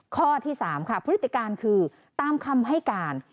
ข้อที่๓ค่ะพฤติการคือตามคำให้การ